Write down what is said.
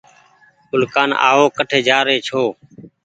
اُولڪآن آئو ڪٺ جآ رهي ڇو